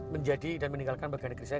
menjadi dan meninggalkan bagian negeri saya